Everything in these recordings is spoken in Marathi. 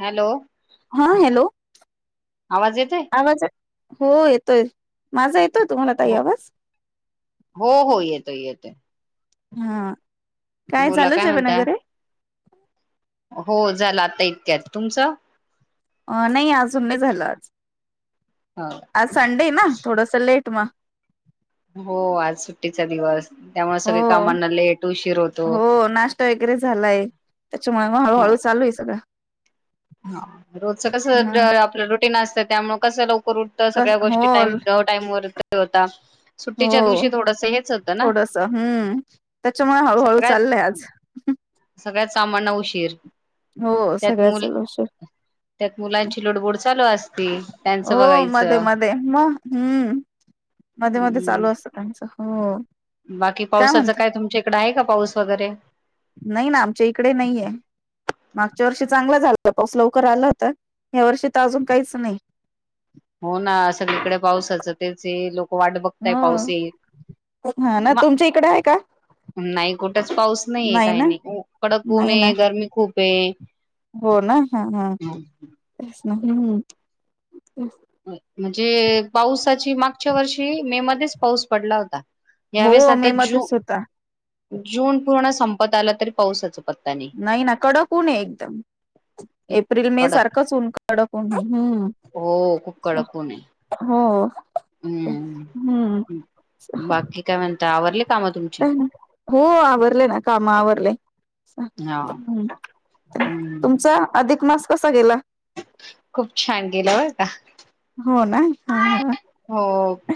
हॅलो हा हॅलो आवाज येतोय आवाज हो येतोय माझा येत. हो! हो! हो! येतोय येतोय. हां काय बोला झालं जेवण म्हणता वगैरे. हो! झालं आता इतक्यात तुमचं? अ नाही अजून नाही झालं आज हो आज संडे ना थोडस लेट. हा हो! आज सुट्टीचा दिवस त्यामुळे हो सगळे कामांना लेट हो. हो! नाश्ता वगैरे झालाय त्याच्यामुळे मग हळूहळू चालू आहे सगळं. हा रोजच कस हा आपलं रुटीन असतं त्यामुळे कसं ल करू कस सगळ्या हो गोष्टी टाइम टाइम वर होता हो सुट्टीच्या दिवशी थोडस हेच होतं ना. थोडस हम्म त्याच्यामुळे हळूहळू चाललंय आज. सगळ्याच कामांना उशीर. हो त्यात सगळ्या मु हेला उशीर. त्यात मुलांची लुडबुड चालू असते. त्यांचं हो मध्ये बघायचं मध्ये मग हम्म मध्ये मध्ये हम्म चालू असतं त्यांचं. हो. बाकी पावसाचं काय तुमच्या इकड आहे का पाऊस वगैरे? नाही ना आमच्या इकडे नाहीय. मागच्या वर्षी चांगला झाला पाऊस लवकर आला होता या वर्षी तर अजून काहीच नाही. हो ना सगळीकडे पावसाचं तेच लोक वाट बघतय पावस हो येईल. हा ना म तुमच्या इकडे आहे का? नाही कुठंच पाऊस नाहीये काही नाही कडक उऊन नाही ना आहे गरमी खूप आहे. हो ना हा हाच ना हम. म्हणजे पावसाची मागच्या वर्षी मे मध्येच पाऊस पडला होता. यावेेळेस हो आता मे जू मध्येच होता जून पूर्ण संपत आला तरी पावसाच प नाही ना कडक उण ए एकदम. एप्रिल मे कडक सारखंच ऊन कडकन हम्म. हो खूप कडक ऊन आहे. हो. हम्म बाकी काय म्हणता आवरले हो आवरले ना काम आवरले. हा हम्म. तुमचा अधिक मास कसा गेला. खूप छान गेला बर का. हो ना हा हा हो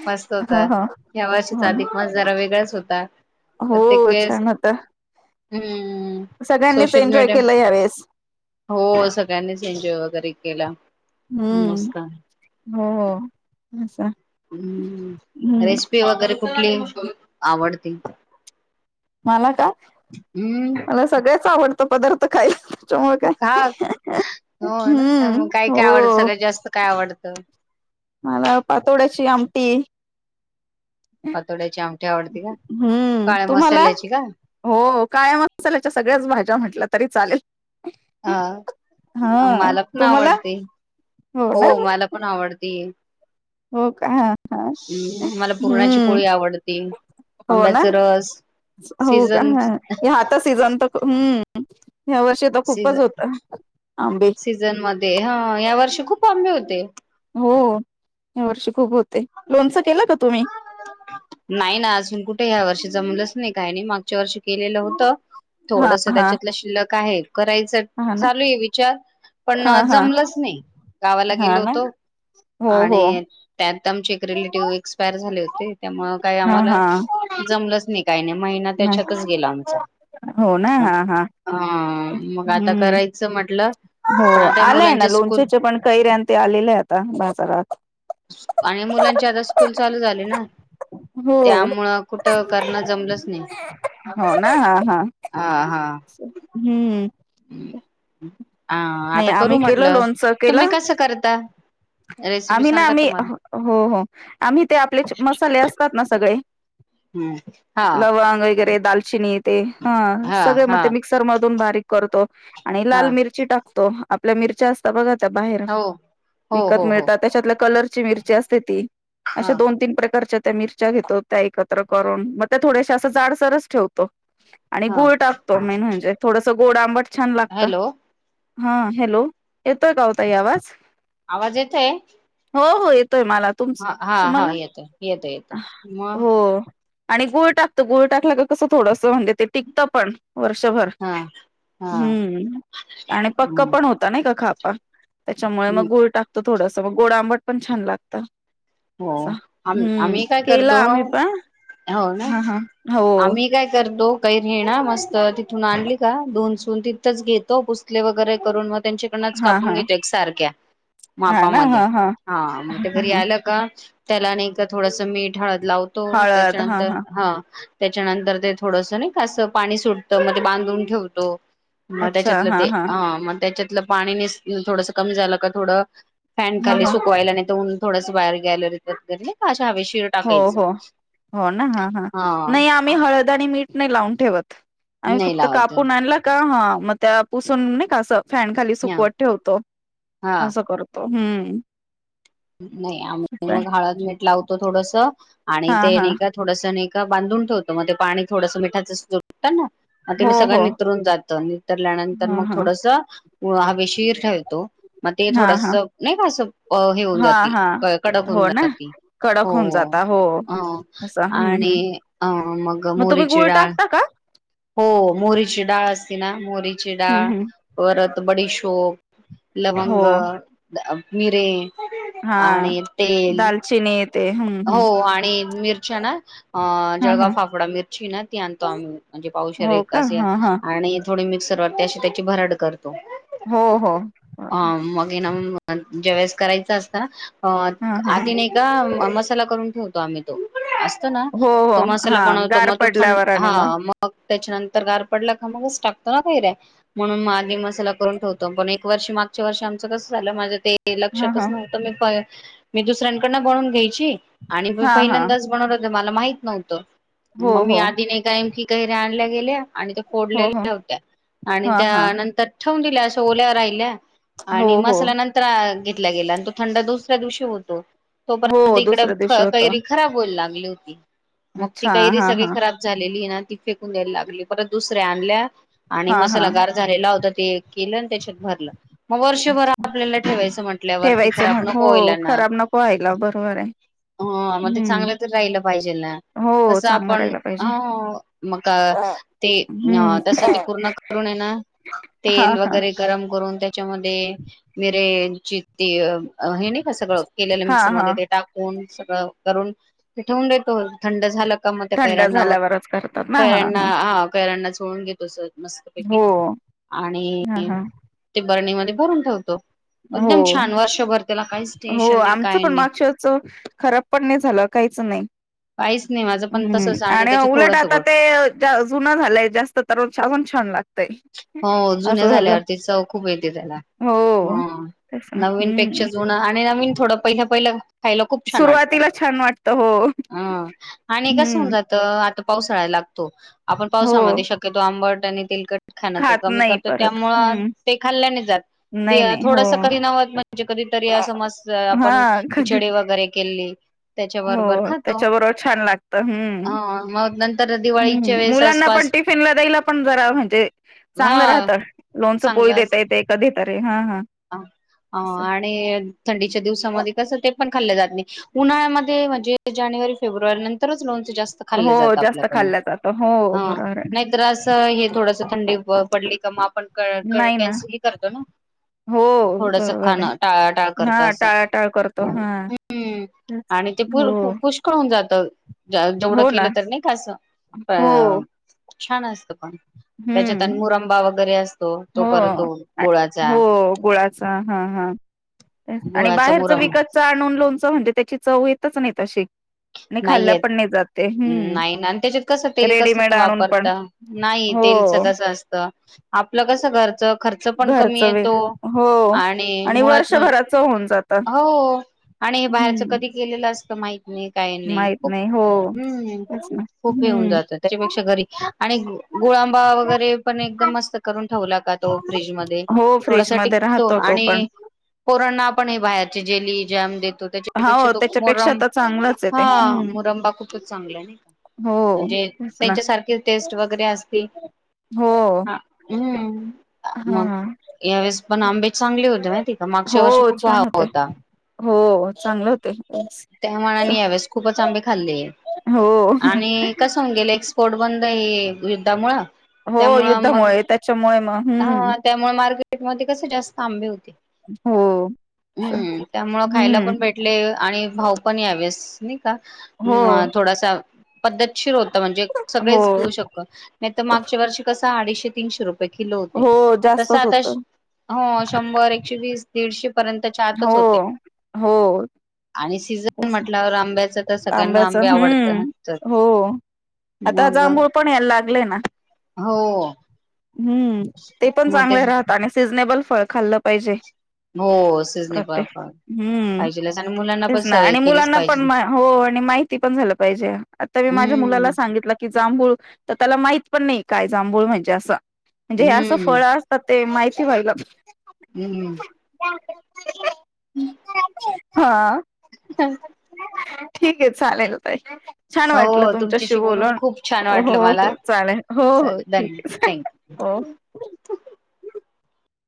मस्त हो होता हो या हो वर्षीचा ना अधिक मास जरा वेगळाच होता. हो प्रत्येक वेळेस छान होता. हम्म. हम सगळ्यांनीच सोशल एन्जॉय मीडिया केलं यावेेळेस हो सगळ्यांनीच एन्जॉय वगैरे. केला मस्त. हम्म हो हो असं. हम्म रेसिपी वगैरे कुठली आवडते. का मला सगळे च आवडतं पदार्थ खायला. त्याच्यामुळे काय हा हो ना हम्म मग काय काय आवडत हो सगळत जास्त काय आवडतं? तर. मला पातोड्याची आमटी. पातोड्याची आमटी आवडती का हम्म काळ्या तुम्हाला मसाल्याची का? हो काळया मसाल्याच्या सगळ्याच भाज्या म्हटल्या तरी. चालेल हा हा मला पण तुम्हाला आवडते. हो मला पण आवडतेय. हो का? हम्म. मला पुरणाची हम्म पोळी आवडते. हो ना, आंब्याचा रस हो का सीझन आता सीझन तर हुं. सीझ आंबे सीझन मध्ये ह या वर्षी खूप आंबे होते. हो. या वर्षी खूप होते. लोणचं केला का तुम्ही? नाही ना. अजून कुठे ह्या वर्षीचा जमलंच नाही काय नाही. मागच्या वर्षी केलेलं होत. हा थोडसं हा त्याच्यातलं शिल्लक आहे करायचं हा ना चालूयं विचार. पण हा हा जमलच नाही. गावाला गेलो हा ना होतो. हो हो आणि त्यात आमचे एक रिलेटिव्ह एक्सपायर झाले होते. त्यामुळ काही हा आम्हाला हा जमलंच नाही, काही नाही महिना नाही त्याच्यातच गेला आमचा. हो ना हा हा हा मग आता हम्म करायचं म्हटलं. हो पण आता आलाय ना मुलांचे स्कूल लोणच्याच्या पण कैऱ्या ते आलेलं आहे आता बाजारात. आणि मुलांची आता स्कूल चालू झाली ना. हो त्यामुळं कुठं करणं जमलंच नाही. अ हा. हुं. हा. नाही आता आम्ही करू केलं म्हटलं. लोणचं तुम्ही केलं कसं करता? रेसिपी आम्ही ना सांगा आम्ही तर मला. हो हो आम्ही ते आपले जे मसाले असतात ना सगळे - हम्म हा - लवंग वगैरे दालचिन - - ते ह हा सगळे म हा मिक्सर मधून बारीक करतो आणि हा लाल मिरची टाकतो. आपल्या मिरच्या असता बघा त्या बाहेर हो हो विकत हो हो मिळतात. त्यातल्या कलरची मिरची असते ती हा अशा दोन तीन प्रकारच्या - - त्या मिरच्या घेतो. त्या एकत्र करून मग त्या थोडेश्या अश्या जाडसरच ठेवतो. आणि हा गुळ टाकतो मेन म्हणजे थोडस गोड आंबट छान लागतं. हॅलो हा हॅलो येतोय का वो ताई आवाज? आवाज येतंय. हो हो येतोय मला तुमचा. तुम्हाला? येतोय येतोय येतोय मग हो. आणि गुळ टाकतो. गुळ टाकला क कसं थोडस म्हणजे ते टिकतं पण वर्षभर. हा हा हुं आणि पक्क हम्म पण होतं नाही का खा त्याच्यामुळे मग गोळ टाकतो थोडस मग गोड आंबट पण छान लागत. हो. अस आम हम्म आम्ही काय केला करतो. आम्ही पण हो ना. हा हा हो आम्ही काय करतो. कैरी हेना मस्त तिथून आणली का धून सून तिथंच घेतो पुसले वगैरे करून मग - - त्यांच्याकडनच हा हा कापून घेतो एक सारख्या हा ना मापामध्ये हा हा मग ते ह घरी ह आल्यावर - - त्याला नाही का थोडस मीठ, हळद लावतो. त्याच्यानंतर हा. त्याच्यानंतर ते थोडंसं नाही असं पाणी सुटत मग ते बांधून ठेवतो. मग अच्छा त्याच्यातलं हा ते हा ह मग त्याच्यातलं पाणी नि थोडंस कमी झालं का थोडं फॅन हा खाली हा सुकवायला नाही तर ऊन थोडंस बाहेर गॅलरीत वगैरे- - हो हो हो ना हा हा नाही आम्ही हळद आणि मीठ - - नाही लावून ठेवत. आम्ही नाही फक्त लावत कापून आणला का ह मग त्या पुसून नाही का असं? फॅन खाली हा सुकवत ठेवतो हा असं करतो हुं. नाही. आम्ही मग हळद मीठ लावतो थोडसं आणि हा ते हा नाही का थोडसं बांधून ठेवतो मग ते पाणी थोडस मिठाचं सुटतं ना ते हो मी सगळं हो नितरून जातं. उतरल्यानंतर हा मग हा थोडसं हवेशीर ठेवतो. मग ते हा हा थोडसं नाही का असं. हे होऊन हा जाते, हा कडक होऊन हो ना जाते. कडक हो होऊन हो. जाता अ असं हम्म आणि हम्म अ मग तुम्ही मोहरीची गुळ डाळ टाकता का हो. मोहरीची डाळ असते ना मोहरीची डाळ हम्म हम्म परत बडीशोप, हो लवंग, मिरे हा आणि तेल. दालचिनी येते हम्म हम्म हो. आणि मिरच्या ना हा जळगाव हा फाफडा मिरची ना ती आणतो आम्ही म्हणजे पाऊशर हो एक का हा हा आणि थोडी मिक्सरवरती अशी त्याची भरड करतो हो हो अ मग आहे ना. ज्यावेळेस करायच असतना हा हा आधी नाही का मस्त. म करून ठेवतो आम्ही तो असतो ना हो हो तो मसाला हा बनवतो गार मग तो थंड पडल्यावर आणि हा मग त्याच्यानंतर गार पडला का मगच टाकतो ना काही रय म्हणून आधी मसाला करून ठेवतो पण एक वर्षी मागच्या वर्ष आमचं कस झालं माझ ते हा लक्षातच हा नव्हतं मी मी दुसऱ्यांकडन बनून घ्यायची. आणि हा हा पहिल्यांदाच बनवलं होत मला माहित नव्हतं हो मम मी हो आधी नाही काय की काही रा आणल्या गेल्या आणि त्या हो हो फोडलेल्या होत्या आणि हा हा त्यानंतर दि अस ओल्यावर राहिल्या हो आणि हो मसाल्या नंतर ग तो थंड दुसऱ्या दिवशी होतो तोपर्यंत हो दुसऱ्या दिवशी होत इकडेरी खराब हो लाग मग ती अच्छा काहीरी हा सगळी हा खराब झालेली ना. फेकून द्यायला लागली परत दुसऱ्या आणल्या आणि हा हा मसाला गार झालेला होता ते केलं त्याच्यात भरलं मग वर्षभर अच्छा आपल्याला ठेवायचं म्हंटल्यावरती खराब नको होईला ना. यला बरोबर आहे हो मग ते हम्म चांगलं तर राहिलं पाहिजे ना. हो कस चांगला आपण राहिला ह पाहिजे. मग ते हम्म. तस हा ते पूर्ण करून येणार. तेल हा वगैरे गरम करून त्याच्यामध्ये मरेित हे नाही का सगळं केलेलं हा मिक्सर हा मध्ये ते टाकून. स करून पठवून देतो थंड झालं. म होते थंड झाल्यावरच करतात ना हा कैरैरणणा हा कैरणा सोळून घेतो मस्तपैकी हो. आणि हा हा ते बरणीमध्ये भरून ठेवतो. हो एकदम छान वर्षभर त्याला काहीच हो टेन्शन नाही आमचं काही पण नाही माक्षच. खराब पण नाही झालं काहीच नाही. पाहीस नाही. माझं पण हम्म तसच आणि त्याचे उलट थोडंसं आता गुळ ते जुनं झालंय जास्त तरजून छान लागत. हो जुन्या झाल्यावरती च खूप येते त्याला हो. तेच ना नवीन पेक्षा हम्म जुनं आणि नवीन थोडं पहिलं पहिलं. खायला खूप छान वाटत सुरुवातीला छान वाटत हो अ आणि कस होऊन हम्म. जात आता पावसाळ लागतो आपण हो पावसा शक्यतो आंबट त खा खात कमी नाही करतो परत त्यामुळ हम्म ते खाल्ल्याने जात. नाही नाही हो. थोडस कधी नव्हत म्हणजे कधीतरी समज आपण हा कधी पिचडी वगैरे केली. त्याच्या हो बरोबर खातो त्याच्याबरोबर छान लागत ह हम्मम् मग नंतर दिवाळीच्या वेळेस मुलांना पण आसपास टिफिन ला द्याला पण जरा म्हणजे हा चग राहत लोच पोळी देता येत कधी ह ह. ह आणि थंडीच्या दिवसामध्ये कस ते पण ात उन्हा फब्र खाल् हो जात जास्त आपल्याड खाल्लं जातं हो बरोबर आहे ना. नाही अस थड. थंडी पडली का मग आपण नाही ना कॅन्सल ह करतो ना. हो थोडस बरोबर खाण आहे. टाळा टाळ करत हां असं टाळाटाळ करतो हां. ह्. तेच. आणि ते पु हो पुष्कळ होऊन जात जेवढं हो ना केलं तर नाही कसं. हो. छान असत पण त्याच्यात हम्म अनमुरंबा वगैरे असतो तो करतो गोळाचा गुळाचा बाहेर मुरम व म्हणजे त्याची चव येतच नाही तशी आणि खाल्ला नाहीेत् पण नाही जात ते हम्म. नाही आणि त्याच्यात कस तेल कस रेडीमेड आणून वापरत पण नाही. हो क असत आपलं कस घच खर्च पण कमी घरचं वे येतो हो आणि मुळात म्हण वर्षभराच होऊन जात हो. आणि हे बाहेरचं हम्म कधी केेलेलं असतं माहत नाही. काही नाही माहित हो खप तेच ना खूप हे होऊन हम्म जात त्याच्यापेक्षा घरी आणि ग ांबा वगैरे पण एकदम मस्त करून ठेवला का तो फ्रीज मध्ये हो फ्रीज थोडासा मध्ये टिकतो राहतो तो पण आणि पोरांना आपण हे बाहेरची जेली जॅम देतो त्याच्यापेक्षा हो तो त्याच्यापेक्षा मोरम तर चांगलंच आहे हा ते हम्म मुरंबा खूपच चांगला आहे ना का हो म्हणजे तेच ना त्यांच्यासारखी टेस्ट वगैरे असतील हो हम्म मग हा यावेळेस पण आंबे चांगले होते माहितेय का मागच्या हो वर्षी खूप भाव छान होते होता हो चांगले होते त्यामानाने यावेळेस खूपच आंबे खाल्ले हो आणि कस गेलं एक्सपोर्ट बंद युद्धामुळे हो त्यामु मग युद्धामुळे त्याच्यामुळे मग ह हम्म त्यामुळे मे पेट मध्ये कसे जास्त आंबे होते हो हम्म त्यामुळं खायला हम्म पण भेटले आणि भाऊ पण यावेस हो का थोडासा पद्धतशीर होता म्हणजे हो सगळेच घेऊ शकत नाही तर मागच्या वर्षी कस अडीचशे तीनशे रुपये किलो हो होते जास्तच होत शंभर एकशेवीस दीडशे पर्यंतच्या आतच हो होते हो आणि सीजन मांटल्यावर आंबे आंब्याच आवडतात हम्म हो आता मग जांभूळ पण यायला लागलेय ना हो हम्म ते पण चांगले राहत आणि सिजनेबल फळ खाल्लं पाहिजे हो सिजने प्रतेक पापड हम्म पाहिजेलच आणि मुलांना तेच पण ना सवय आणि केलीच मुलांना पण पाहिजे. हो आणि माहिती पण झालं पाहिजे आता मी माझ्या मुलाला हम्म सांगितलं की जांभूळ तर त्याला माहित पण नाही काय जांभूळ म्हणजे असं म्हणजे हे असं हम्म फळ असतात ते माहित वईग हम्म हम् हा हा ठीक आहे चालेल ताई छान वाटलं हो तुमच्याशी बोलून खूप छान वाटलं हो मला हो चालेल हो हो चालेल ठीक धन्य आहे चालेले थँक्यू. हो